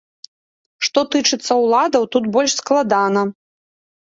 Што тычыцца ўладаў, тут больш складана.